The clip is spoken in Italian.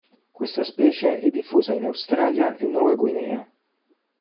Questa specie è diffusa in Australia e Nuova Guinea.